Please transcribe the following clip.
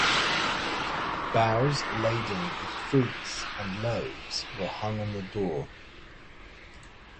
Boughs laden with fruits and loaves were hung on the doors.